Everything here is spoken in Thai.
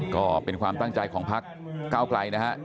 ก็เป็นความตั้งใจของภาคก้าวไกลนะฮะ